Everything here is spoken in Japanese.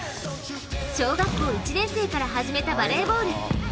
小学校１年生から始めたバレーボール。